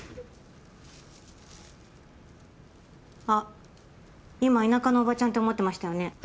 あっ今田舎のおばちゃんって思ってましたよね。